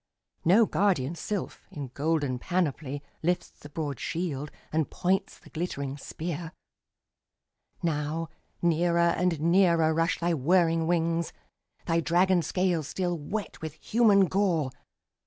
No guardian sylph, in golden panoply, Lifts the broad shield, and points the glittering spear. Now near and nearer rush thy whirring wings, Thy dragon scales still wet with human gore.